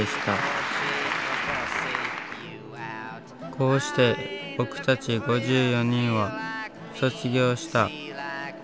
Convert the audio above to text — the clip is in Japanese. こうして僕たち５４人は卒業した。